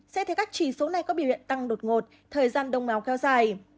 sẽ thấy các chỉ số này có biểu hiện tăng đột ngột thời gian đông máu kheo dài